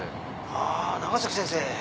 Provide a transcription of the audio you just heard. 「ああ長崎先生。